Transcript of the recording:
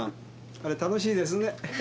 あれ楽しいですね。